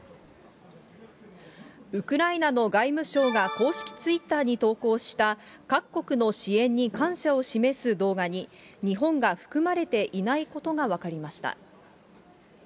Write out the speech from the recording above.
ウクライナの外務省が公式ツイッターに投稿した、各国の支援に感謝を示す動画に、日本が含まれていないことが分かりました。